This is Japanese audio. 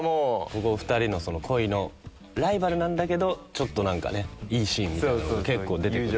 ここ２人の恋のライバルなんだけどちょっと何かねいいシーンみたいなのが結構出てくる。